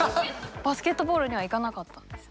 バスケットボールにはいかなかったんですね。